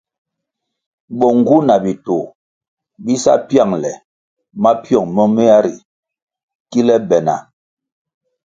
Bo ngu na bitoh bi sa pyangʼle mapyong momea ri kile be na.